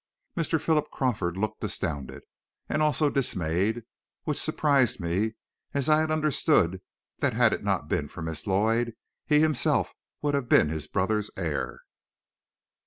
Mr. Philip Crawford looked astounded, and also dismayed, which surprised me, as I had understood that had it not been for Miss Lloyd, he himself would have been his brother's heir.